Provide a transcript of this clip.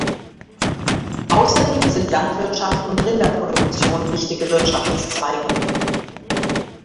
Außerdem sind Landwirtschaft und Rinderproduktion wichtige Wirtschaftszweige.